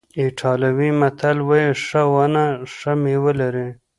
ایټالوي متل وایي ښه ونه ښه میوه لري.